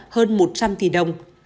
hơn một trăm linh tỷ đồng